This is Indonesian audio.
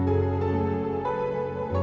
ya udah kayaknya gitu